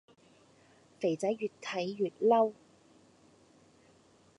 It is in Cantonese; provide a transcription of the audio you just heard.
肥仔愈睇愈嬲